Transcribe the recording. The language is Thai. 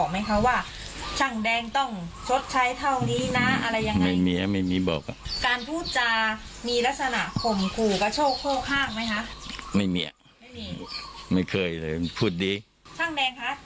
แต่พอมาเห็นว่าแกมากระทำการแบบนี้ในเรื่องของการจัดกรุม